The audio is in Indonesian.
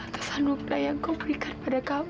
atasan luka yang kau berikan pada kami